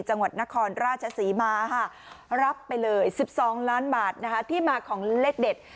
จังหวัดนครราชศรีมารับไปเลย๑๒ล้านบาทที่มาของเลขเด็ด